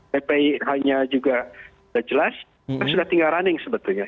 ppih nya juga sudah jelas dan sudah tinggal running sebetulnya